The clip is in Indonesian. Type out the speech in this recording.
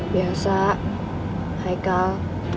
biasa hai kal